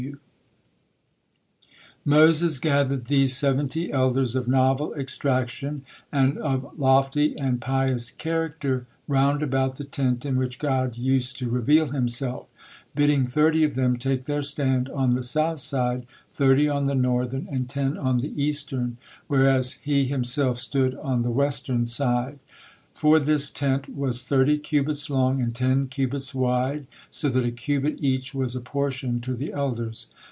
Moses gathered these seventy elders of novel extraction and of lofty and pious character round about the tent in which God used to reveal Himself, bidding thirty of them take their stand on the south side, thirty on the northern, and ten on the eastern, whereas he himself stood on the western side. For this tent was thirty cubits long and ten cubits wide, so that a cubit each was apportioned to the elders.